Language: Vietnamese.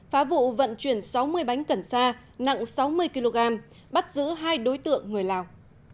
phá vụ vận chuyển sáu mươi bánh cần sa nặng sáu mươi kg bắt giữ hai đối tượng người lào